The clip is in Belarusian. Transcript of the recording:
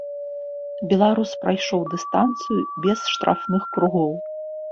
Беларус прайшоў дыстанцыю без штрафных кругоў.